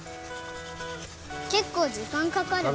けっこうじかんかかるね。